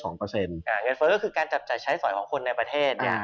เงินเฟ้อก็คือการจับจ่ายใช้สอยของคนในประเทศ